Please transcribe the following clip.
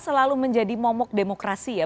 selalu menjadi momok demokrasi ya